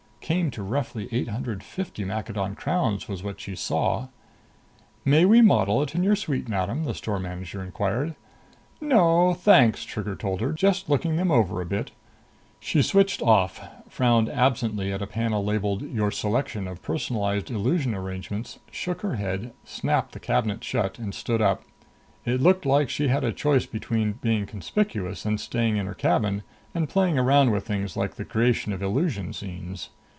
Came to roughly eight hundred fifty Maccadon crowns, was what she saw. "May we model it in your suite, madam?" the store manager inquired. "No, thanks," Trigger told her. "Just looking them over a bit." She switched off, frowned absently at a panel labeled "Your Selection of Personalized Illusion Arrangements," shook her head, snapped the cabinet shut and stood up. It looked like she had a choice between being conspicuous and staying in her cabin and playing around with things like the creation of illusion scenes.